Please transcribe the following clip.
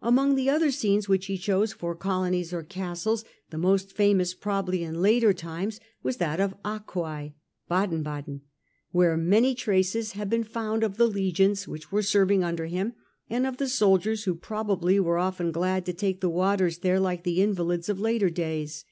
Among the many scenes which he chose for colonies or castles, the most famous probably in later times was that of Aquae (Baden Baden), where many traces have been found of the legions which were serving under him, and of the soldiers who probably were often glad to take the waters there, like the invalids of later days.